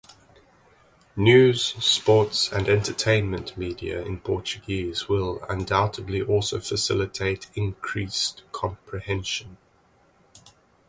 News, sports, and entertainment media in Portuguese will undoubtedly also facilitate increased comprehension.